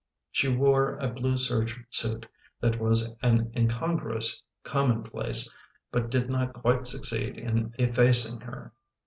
She wore a blue serge suit that was an incongruous commonplace but did not quite succeed in effacing her.